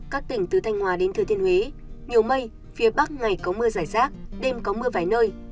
các tỉnh từ thanh hòa đến thừa thiên huế nhiều mây phía bắc ngày có mưa giải rác đêm có mưa vài nơi